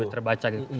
dan terbaca begitu